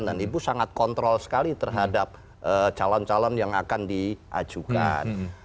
dan ibu sangat kontrol sekali terhadap calon calon yang akan diajukan